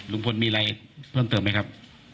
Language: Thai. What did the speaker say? ลุงพลมีอะไรเพิ่มเติมไหมครับ